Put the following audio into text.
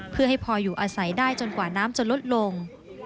เพื่อให้พออยู่อาศัยได้จนกว่าน้ำจะลดลง